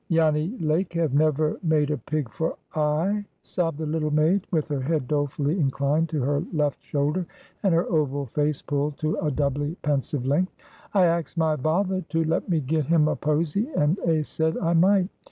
"Janny Lake have never made a pig for I," sobbed the little maid, with her head dolefully inclined to her left shoulder, and her oval face pulled to a doubly pensive length. "I axed my vather to let me get him a posy, and a said I might.